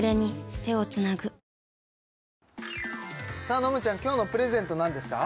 のむちゃん今日のプレゼント何ですか？